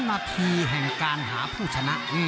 นาทีแห่งการหาผู้ชนะ